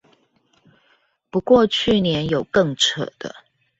不過去年有更扯的